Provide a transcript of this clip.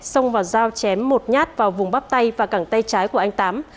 xông vào dao chém một nhát vào vùng bắp tay và cẳng tay trái của anh tám